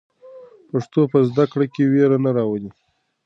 پښتو په زده کړه کې وېره نه راولي.